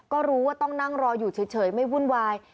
ก็รู้ว่าต้องนั่งรออยู่เฉยไม่วุ่นวาย